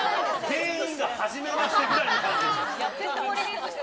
全員がはじめましてぐらいの感じですよ。